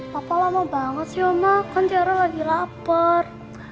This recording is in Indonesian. papa lama banget sih oma kan tiara lagi lapar